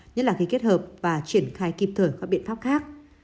nhất là khi kết hợp và triển khai kịp thời các biện pháp khác